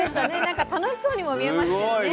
なんか楽しそうにも見えましたよね。